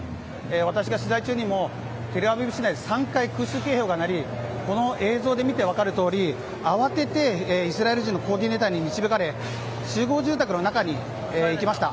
私が取材中でもテルアビブ市内で３回空襲警報が鳴りこの映像で見て分かるように慌ててイスラエル人のコーディネータに導かれ集合住宅の中に行きました。